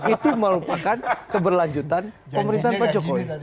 itu merupakan keberlanjutan pemerintahan pak jokowi